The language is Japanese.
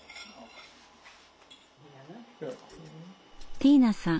ティーナさん